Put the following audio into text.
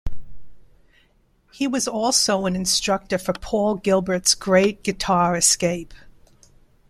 He was also an instructor for Paul Gilbert's Great Guitar Escape.